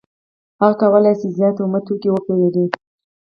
هغه کولای شي زیات اومه توکي وپېري